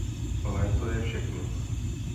Léto je všechno.